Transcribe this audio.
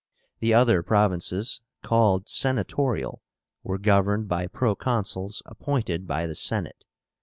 The other provinces, called Senatorial, were governed by Proconsuls appointed by the Senate.